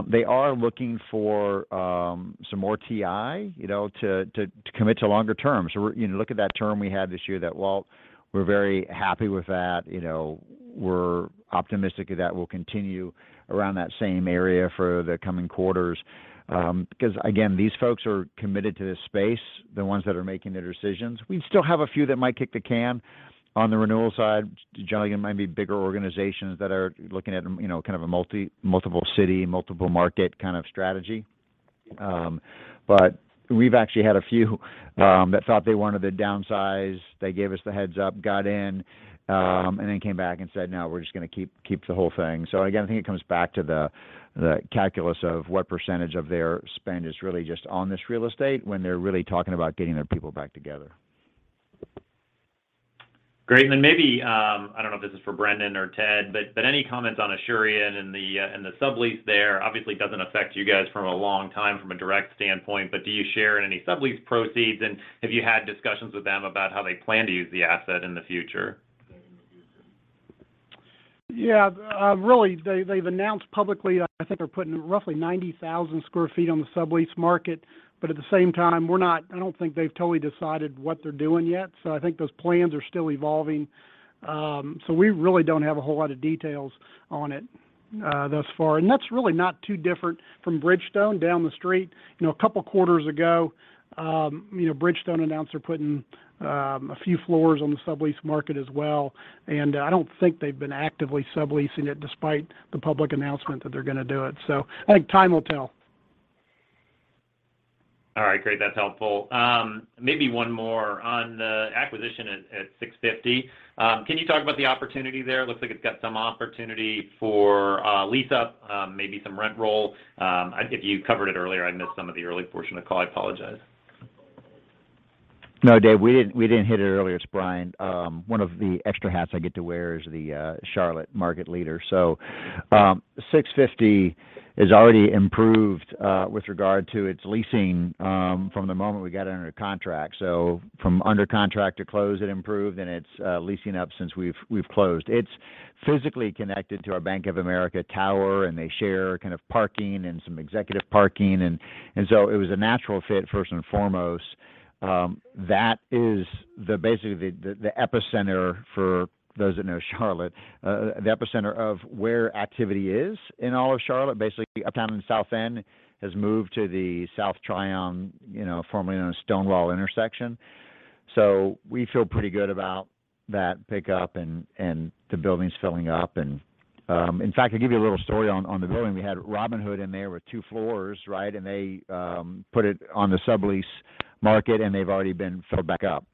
They are looking for some more TI, you know, to commit to longer terms. Look at that term we had this year. We're very happy with that. You know, we're optimistic that that will continue around that same area for the coming quarters because, again, these folks are committed to this space, the ones that are making the decisions. We still have a few that might kick the can on the renewal side. Generally, it might be bigger organizations that are looking at, you know, a multiple-city, multiple-market kind of strategy. We've actually had a few that thought they wanted to downsize. They gave us the heads-up, got in, and then came back and said, "No, we're just going to keep the whole thing." Again, I think it comes back to the calculus of what percentage of their spend is really just on this real estate when they're really talking about getting their people back together. Great. Maybe I don't know if this is for Brendan or Ted, but any comments on Asurion and the sublease there? Obviously, it doesn't affect you guys from a direct standpoint, but do you share in any sublease proceeds, and have you had discussions with them about how they plan to use the asset in the future? Yeah. Really, they've announced publicly. I think they're putting roughly 90,000 sq ft on the sublease market. At the same time, I don't think they've totally decided what they're doing yet. I think those plans are still evolving. We really don't have a whole lot of details on it thus far. That's really not too different from Bridgestone down the street. You know, a couple quarters ago, Bridgestone announced they're putting a few floors on the sublease market as well, and I don't think they've been actively subleasing it despite the public announcement that they're going to do it. I think time will tell. All right. Great. That's helpful. Maybe one more on the acquisition at 650 at Legacy Union. Can you talk about the opportunity there? It looks like it's got some opportunity for lease-up, maybe some rent roll. If you covered it earlier, I missed some of the early portion of the call. I apologize. No, Dave, we didn't hit it earlier. It's Brian. One of the extra hats I get to wear is the Charlotte Market Leader. 650 has already improved with regard to its leasing from the moment we got it under contract. From under contract to close, it improved, and it's leasing up since we've closed. It's physically connected to our Bank of America tower, and they share kind of parking and some executive parking. It was a natural fit first and foremost. That is basically the epicenter for those that know Charlotte, the epicenter of where activity is in all of Charlotte. Basically, Uptown and South End has moved to the South Tryon, you know, formerly known as Stonewall intersection. We feel pretty good about that pickup and the buildings filling up. In fact, I'll tell you a little story about the building. We had Robinhood in there with two floors, right? They put it on the sublease market, and they've already been filled back up.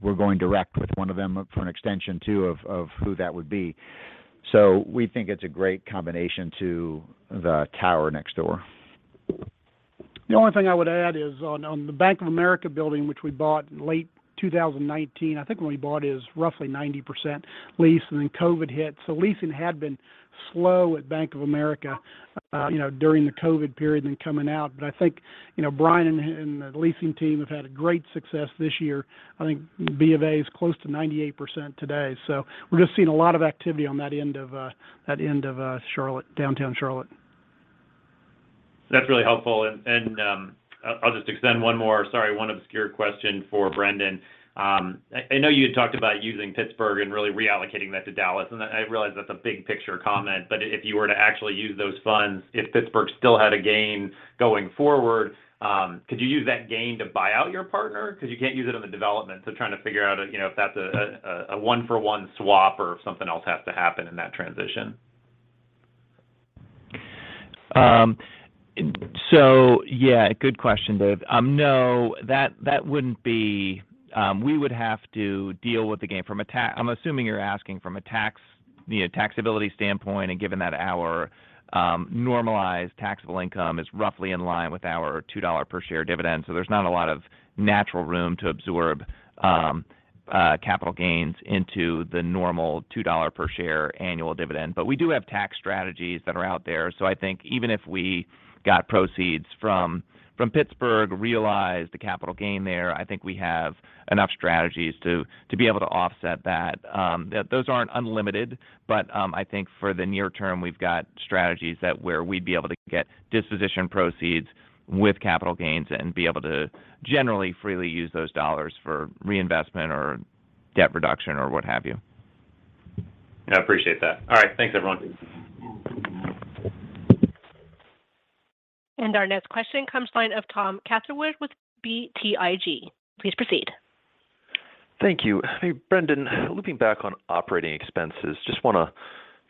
We're going direct with one of them for an extension too, as to who that would be. We think it's a great combination with the tower next door. The only thing I would add is on the Bank of America building, which we bought in late 2019. I think when we bought it, it was roughly 90% leased, and then COVID hit. Leasing had been slow at Bank of America, you know, during the COVID period and coming out. I think, you know, Brian and the leasing team have had great success this year. I think Bank of America is close to 98% today. We're just seeing a lot of activity on that end of Charlotte, downtown Charlotte. That's really helpful. I'll just ask one more, sorry, one obscure question for Brendan. I know you had talked about using Pittsburgh and really reallocating that to Dallas. I realize that's a big-picture comment, but if you were to actually use those funds, if Pittsburgh still had a gain going forward, could you use that gain to buy out your partner? Because you can't use it on the development. I'm trying to figure out if that's a one-for-one swap or if something else has to happen in that transition. Yeah, good question, Dave. No, that wouldn't be. We would have to deal with the gain from a tax. I'm assuming you're asking from a tax, you know, taxability standpoint, and given that our normalized taxable income is roughly in line with our $2 per share dividend, there's not a lot of natural room to absorb capital gains into the normal $2 per share annual dividend. But we do have tax strategies that are out there. I think even if we got proceeds from Pittsburgh, realized the capital gain there, I think we have enough strategies to be able to offset that. Those aren't unlimited, but I think for the near term, we've got strategies where we'd be able to get disposition proceeds with capital gains and be able to generally freely use those dollars for reinvestment or debt reduction or what have you. I appreciate that. All right. Thanks, everyone. Our next question comes from Thomas Catherwood with BTIG. Please proceed. Thank you. Hey, Brendan, looping back on operating expenses, I just want to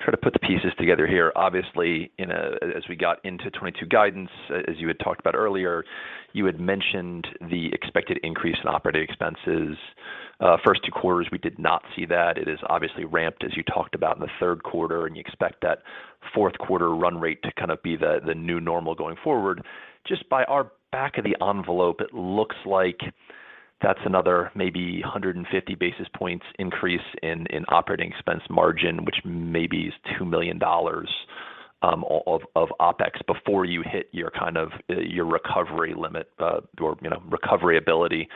try to put the pieces together here. Obviously, as we got into 2022 guidance, as you had talked about earlier, you had mentioned the expected increase in operating expenses. The first two quarters, we did not see that. It has obviously ramped, as you talked about, in the third quarter, and you expect that fourth-quarter run rate to kind of be the new normal going forward. Just by our back-of-the-envelope, it looks like that's another maybe 150 basis points increase in operating expense margin, which maybe is $2 million of OpEx before you hit your kind of your recovery limit or, you know, recovery ability,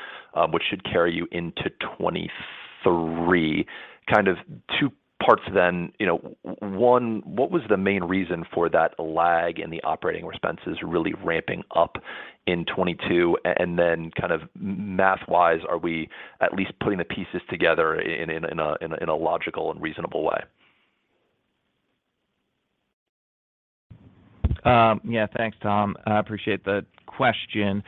which should carry you into 2023. Kind of two parts then. You know, what was the main reason for that lag in the operating expenses really ramping up in 2022? Math-wise, are we at least putting the pieces together in a logical and reasonable way? Yeah. Thanks, Tom. I appreciate the question.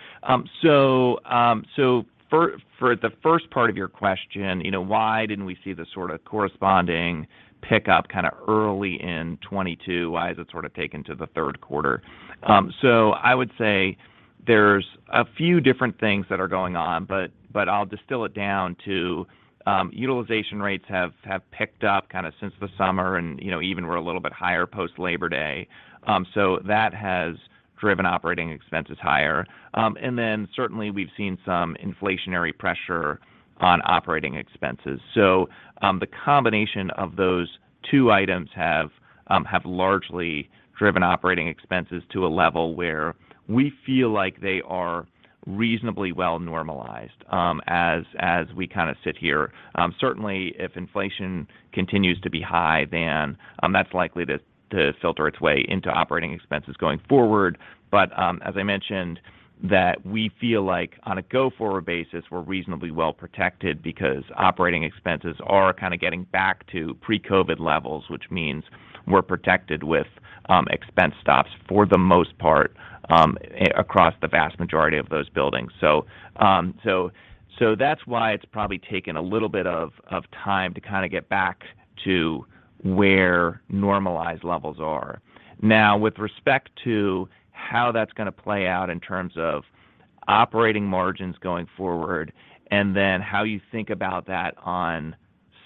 For the first part of your question, you know, why didn't we see the sort of corresponding pickup kind of early in 2022? Why has it sort of taken until the third quarter? I would say there are a few different things that are going on, but I'll distill it down to utilization rates that have picked up kind of since the summer and, you know, even were a little bit higher post-Labor Day. That has driven operating expenses higher. Then certainly we've seen some inflationary pressure on operating expenses. The combination of those two items has largely driven operating expenses to a level where we feel like they are reasonably well normalized, as we kind of sit here. Certainly, if inflation continues to be high, then that's likely to filter its way into operating expenses going forward. As I mentioned, we feel that on a go-forward basis, we're reasonably well protected because operating expenses are kind of getting back to pre-COVID levels, which means we're protected with expense stops for the most part across the vast majority of those buildings. That's why it's probably taken a little bit of time to kind of get back to where normalized levels are. Now, with respect to how that's going to play out in terms of operating margins going forward and then how you think about that on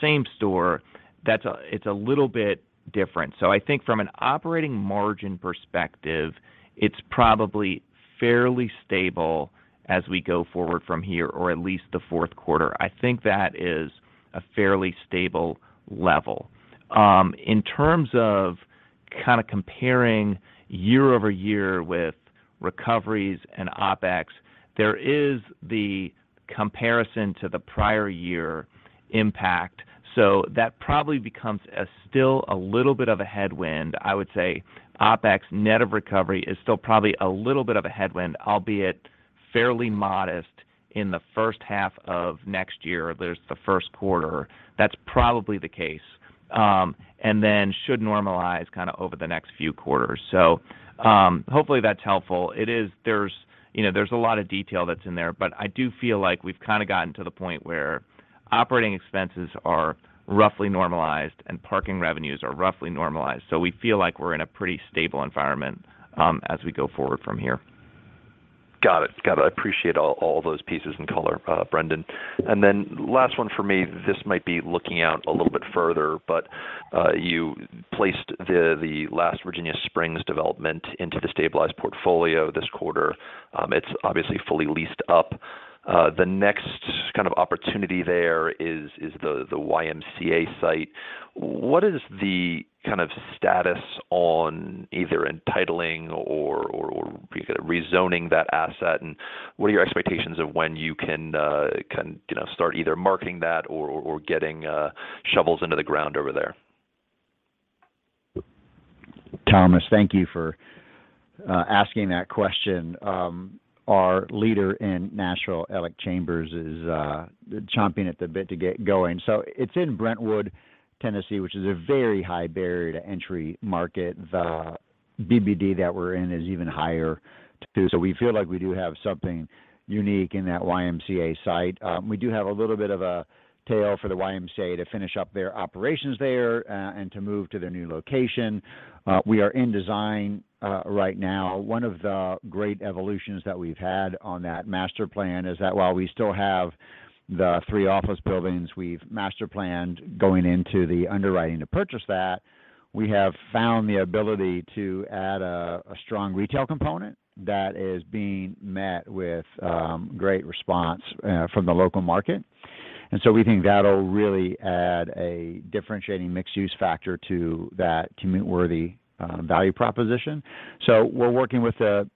same-store, that's a little bit different. I think from an operating margin perspective, it's probably fairly stable as we go forward from here, or at least in the fourth quarter. I think that is a fairly stable level. In terms of comparing year-over-year with recoveries and OpEx, there is the comparison to the prior year impact. That probably still becomes a little bit of a headwind. I would say OpEx net of recoveries is still probably a little bit of a headwind, albeit fairly modest in the first half of next year. There's the first quarter. That's probably the case, and then it should normalize over the next few quarters. Hopefully, that's helpful. There's, you know, a lot of detail in there, but I do feel like we've kind of gotten to the point where operating expenses are roughly normalized and parking revenues are roughly normalized. We feel like we're in a pretty stable environment as we go forward from here. Got it. I appreciate all those pieces and color, Brendan. Last one for me, this might be looking out a little bit further, but you placed the last 23Springs development into the stabilized portfolio this quarter. It's obviously fully leased up. The next kind of opportunity there is the YMCA site. What is the status on either entitling or rezoning that asset? What are your expectations of when you can, you know, start either marketing that or getting shovels into the ground over there? Thomas, thank you for asking that question. Our leader in Nashville, Alex Chambers, is chomping at the bit to get going. It's in Brentwood, Tennessee, which is a very high-barrier-to-entry market. The BBD that we're in is even higher too, so we feel like we do have something unique in that YMCA site. We do have a little bit of a tail for the YMCA to finish up their operations there and to move to their new location. We are in design right now. One of the great evolutions we've had in that master plan is that while we still have the three office buildings we master-planned going into the underwriting to purchase that, we have found the ability to add a strong retail component that is being met with a great response from the local market. We think that'll really add a differentiating mixed-use factor to that commute-worthy value proposition. We're working with the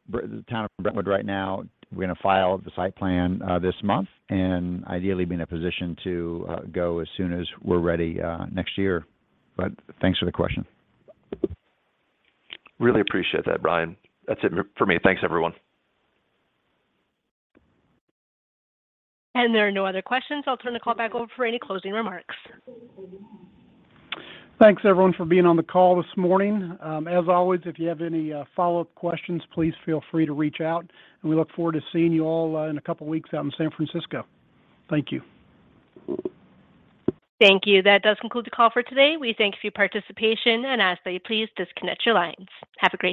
town of Brentwood right now. We're going to file the site plan this month and ideally be in a position to go as soon as we're ready next year. Thanks for the question. Really appreciate that, Brian. That's it for me. Thanks, everyone. There are no other questions. I'll turn the call back over for any closing remarks. Thanks, everyone, for being on the call this morning. As always, if you have any follow-up questions, please feel free to reach out, and we look forward to seeing you all in a couple of weeks out in San Francisco. Thank you. Thank you. That concludes the call for today. We thank you for your participation and ask that you please disconnect your lines. Have a great day.